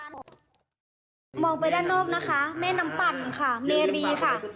มองไปด้านนอกนะคะแม่น้ำปั่นค่ะเมรีค่ะ